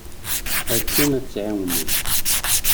Akken ad tt-ɛiwnen.